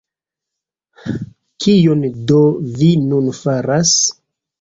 Kion do vi nun faras?